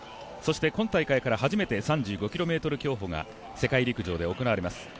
今大会から初めて３５ｋｍ競歩が世界陸上で行われます